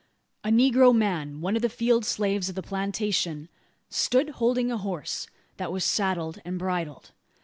A negro man one of the field slaves of the plantation stood holding a horse, that was saddled and bridled.